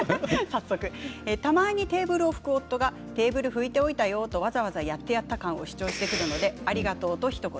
たまにテーブルを拭く夫がテーブルを拭いておいたよとわざわざやってやった感を主張してくるのでありがとうとひと言